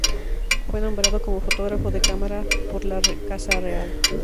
Fue nombrado como fotógrafo de cámara por la Casa Real.